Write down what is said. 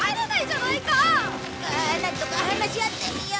なんとか話し合ってみよう。